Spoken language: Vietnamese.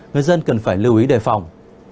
người dân cần phải lưu ý đề phòng